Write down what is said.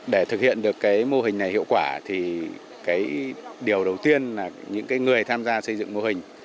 để thực hiện được cái mô hình này hiệu quả thì điều đầu tiên là những người tham gia xây dựng mô hình